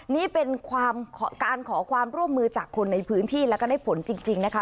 นี่เป็นการขอความร่วมมือจากคนในพื้นที่แล้วก็ได้ผลจริงนะคะ